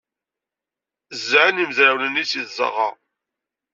Ẓẓɛen imezrawen-nni seg tzeɣɣa.